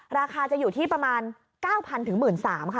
ราคาจะอยู่ที่ประมาณ๙๐๐๐ถึง๑๓๐๐๐ค่ะ